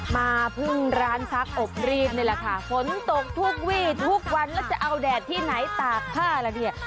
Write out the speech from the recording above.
มาพึ่งร้านซักอบรีบนี่แหละค่ะฝนตกทุกวี่ทุกวันแล้วจะเอาแดดที่ไหนตากผ้าละเนี่ย